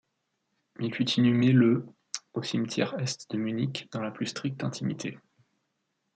Il fut inhumé le au cimetière Est de Munich dans la plus stricte intimité.